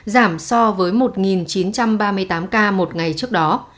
giảm so với một chín trăm ba mươi tám ca một ngày trước đó